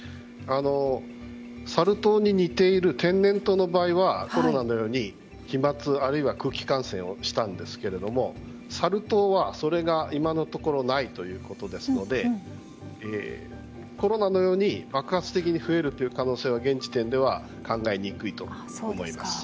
サル痘に似ている天然痘の場合はコロナのように飛沫あるいは空気感染をしたんですけどもサル痘は、それが今のところないということですのでコロナのように爆発的に増える可能性は現時点では考えにくいと思います。